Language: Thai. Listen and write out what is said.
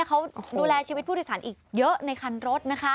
เขาดูแลชีวิตผู้โดยสารอีกเยอะในคันรถนะคะ